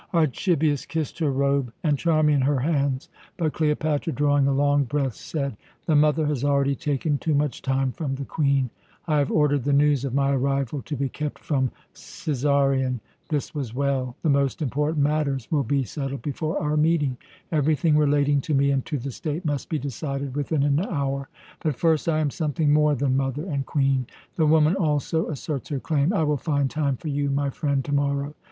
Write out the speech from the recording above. Archibius kissed her robe, and Charmian her hands; but Cleopatra, drawing a long breath, said: "The mother has already taken too much time from the Queen. I have ordered the news of my arrival to be kept from Cæsarion. This was well. The most important matters will be settled before our meeting. Everything relating to me and to the state must be decided within an hour. But, first, I am something more than mother and Queen. The woman also asserts her claim. I will find time for you, my friend, to morrow!